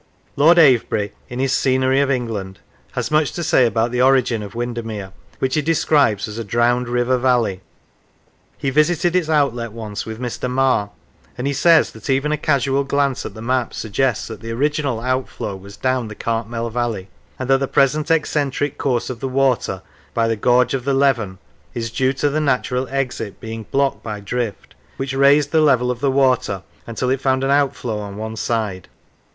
Lord Avebury, in his " Scenery of England," has much to say about the origin of Winder mere, which he describes as a " drowned river valley." He visited its outlet once with Mr. Marr, and he says that even a casual glance at the map suggests that the original outflow was down the Cartmel Valley, and that the present eccentric course of the water by the gorge of the Leven is due to the natural exit being blocked by drift, which raised the level of the water until it found an outflow on one side.